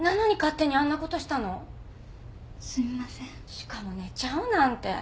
しかも寝ちゃうなんて。